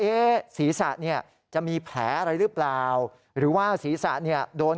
ศีรษะเนี่ยจะมีแผลอะไรหรือเปล่าหรือว่าศีรษะเนี่ยโดน